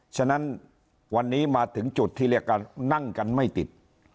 ฉะนั้นวันนี้มาถึงจุดที่เรียกกันนั่งกันไม่ติด